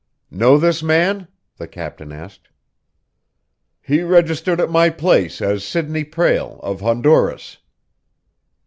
"Know this man?" the captain asked. "He registered at my place as Sidney Prale, of Honduras."